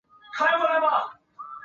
配以米饭等主食的火锅。